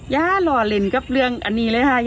อย่าหล่อเล่นกับเรื่องอันนี้เลยค่ะ